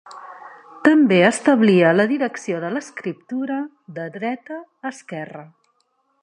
També establia la direcció de l'escriptura de dreta a esquerra.